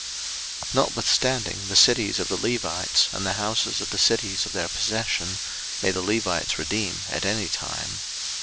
03:025:032 Notwithstanding the cities of the Levites, and the houses of the cities of their possession, may the Levites redeem at any time.